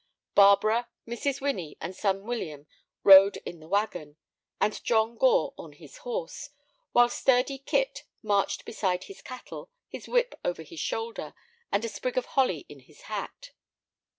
Barbara, Mrs. Winnie, and son William rode in the wagon, and John Gore on his horse, while sturdy Kit marched beside his cattle, his whip over his shoulder, and a sprig of holly in his hat.